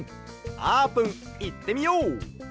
あーぷんいってみよう！